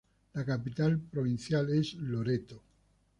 La capital provincial es Loreto.